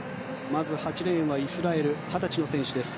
まず８レーンはイスラエルの二十歳の選手です。